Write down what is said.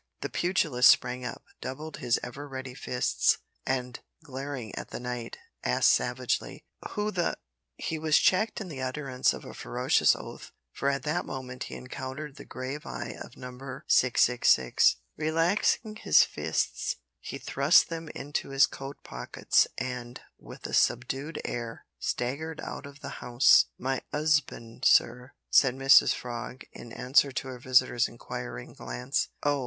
The pugilist sprang up, doubled his ever ready fists, and, glaring at the knight, asked savagely: "Who the " He was checked in the utterance of a ferocious oath, for at that moment he encountered the grave eye of Number 666. Relaxing his fists he thrust them into his coat pockets, and, with a subdued air, staggered out of the house. "My 'usband, sir," said Mrs Frog, in answer to her visitor's inquiring glance. "Oh!